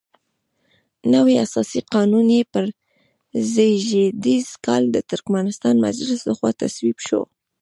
نوی اساسي قانون یې په زېږدیز کال د ترکمنستان مجلس لخوا تصویب شو.